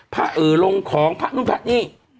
พระเอ๋ลงของพระรุ่นพระนี่